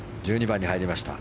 １２番に入りました。